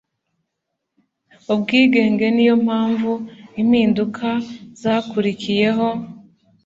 ubwigenge ni yo mpamvu impinduka zakurikiyeho